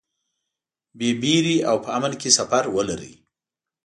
بې وېرې او په امن کې سفر ولرئ.